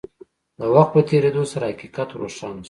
د وخت په تېرېدو سره حقيقت روښانه شو.